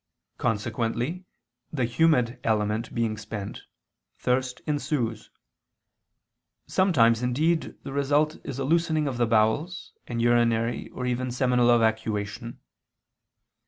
Consequently the humid element being spent, thirst ensues; sometimes indeed the result is a loosening of the bowels, and urinary or even seminal evacuation.